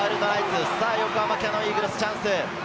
横浜キヤノンイーグルス、チャンス。